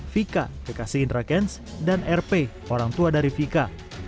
vika kekasih indra kents dan rp orang tua dari vika